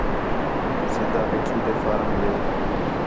سِدّھا پیٹھو تے فارم ݙے